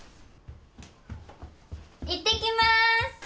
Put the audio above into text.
いってきまーす！